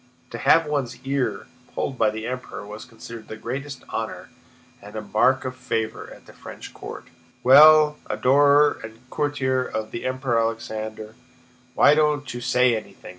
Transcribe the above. To have one's ear pulled by the Emperor was considered the greatest honor and mark of favor at the French court. "Well, adorer and courtier of the Emperor Alexander, why don't you say anything?"